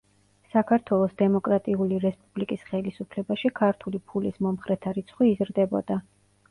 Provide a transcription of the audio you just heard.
საქართველოს დემოკრატიული რესპუბლიკის ხელისუფლებაში ქართული ფულის მომხრეთა რიცხვი იზრდებოდა.